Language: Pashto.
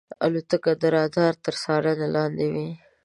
الوتکه د رادار تر څارنې لاندې وي.